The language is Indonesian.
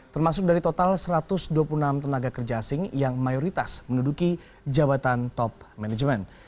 termasuk dari total satu ratus dua puluh enam tenaga kerja asing yang mayoritas menduduki jabatan top management